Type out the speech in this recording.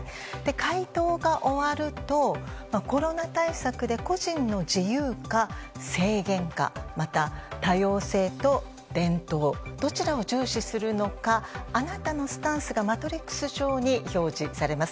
回答が終わるとコロナ対策で個人の自由か制限かまた多様性と伝統どちらを重視するのかあなたのスタンスがマトリックス上に表示されます。